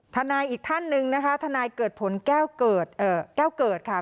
นายอีกท่านหนึ่งนะคะทนายเกิดผลแก้วเกิดแก้วเกิดค่ะ